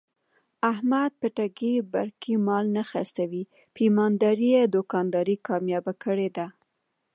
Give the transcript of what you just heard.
احمد په ټګۍ برگۍ مال نه خرڅوي. په ایماندارۍ یې دوکانداري کامیاب کړې ده.